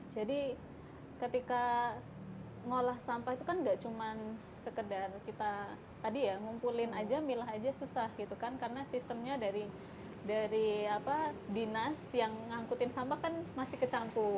jadi ketika mengolah sampah itu kan gak cuman sekedar kita tadi ya ngumpulin aja milah aja susah gitu kan karena sistemnya dari dinas yang ngangkutin sampah kan masih kecampur